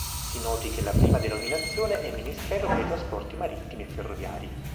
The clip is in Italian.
Si noti che la prima denominazione è "Ministero per i Trasporti Marittimi e Ferroviari".